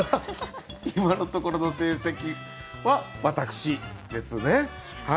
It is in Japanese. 今のところの成績は私ですね。